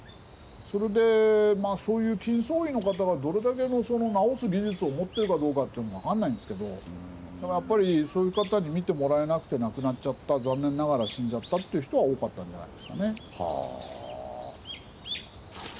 それでまあそういう金創医の方がどれだけのその治す技術を持ってるかどうかというのも分かんないんですけどやっぱりそういう方に診てもらえなくて亡くなっちゃった残念ながら死んじゃったという人は多かったんじゃないですかね。は。